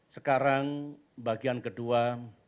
sekarang bagian kedua